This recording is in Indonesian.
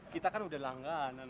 kita kan udah langganan